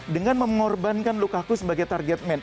dengan mengorbankan lukaku sebagai target man